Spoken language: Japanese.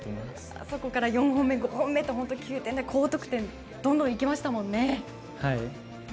あそこから４本目５本目と９点台の高得点がどんどんいけましたもんね。